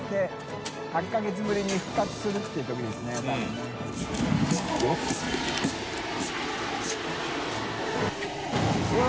８か月ぶりに復活するっていう時ですね多分ね。